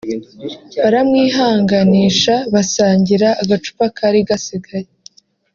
baramwihanganisha basangira agacupa kari gasigaye